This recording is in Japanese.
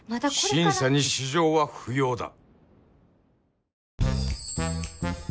審査に私情は不要だ。